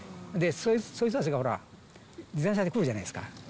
そういう人たちが自転車で来るじゃないですか。